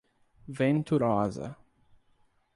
Venturosa